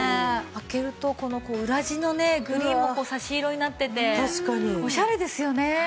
開けるとこの裏地のねグリーンも差し色になっててオシャレですよね。